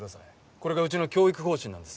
これがうちの教育方針なんです。